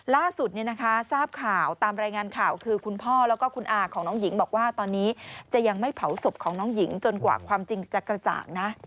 ล่าสุดทราบข่าวตามรายงานข่าวคือคุณพ่อแล้วก็คุณอาของน้องหญิงบอกว่าตอนนี้จะยังไม่เผาศพของน้องหญิงจนกว่าความจริงจะกระจ่างนะ